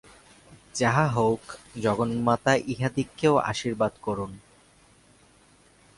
যাহা হউক, জগন্মাতা ইঁহাদিগকেও আশীর্বাদ করুন।